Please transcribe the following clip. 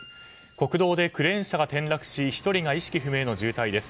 国道でクレーン車が転落し１人が意識不明の重体です。